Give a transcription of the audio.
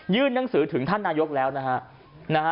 หนังสือถึงท่านนายกแล้วนะฮะ